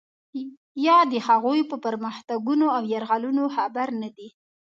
یا د هغوی په پرمختګونو او یرغلونو خبر نه دی.